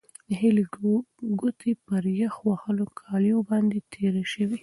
د هیلې ګوتې پر یخ وهلو کالیو باندې تېرې شوې.